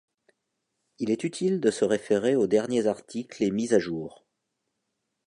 Il est utile de se référer aux derniers articles et mises à jour.